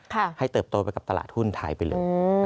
ให้เติบโตไปกับตลาดหุ้นไทยไปเลย